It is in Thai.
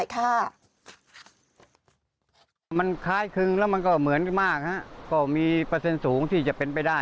คุณลุงดำเล่าให้ฟังหน่อยค่ะ